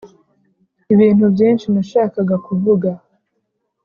ibintu byinshi nashakaga kuvuga